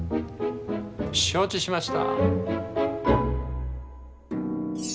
承知しました。